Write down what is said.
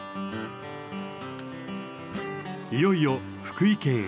いよいよ福井県へ。